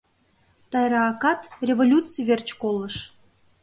Тайра акат революций верч колыш.